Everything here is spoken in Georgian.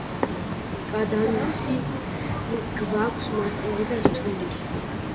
კადანსი გვაქვს მარტივი და რთული.